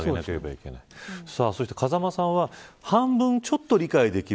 風間さんは半分、ちょっと理解できる。